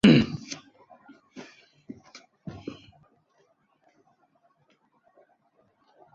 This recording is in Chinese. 目前未有任何亚种。